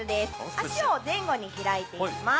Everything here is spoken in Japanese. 足を前後に開いて行きます。